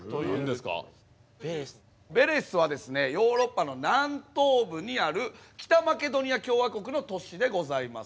ヴェレスはヨーロッパの南東部にある北マケドニア共和国の都市でございます。